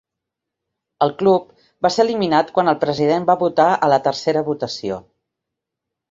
El club va ser eliminat quan el president va votar a la tercera votació.